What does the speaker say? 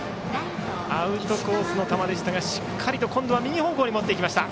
アウトコースの球でしたがしっかり今度は右方向に持っていきました。